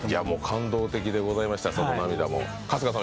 感動的でございました、その涙も。